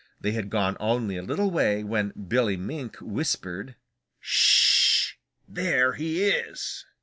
They had gone only a little way when Billy Mink whispered: "Sh h! There he is."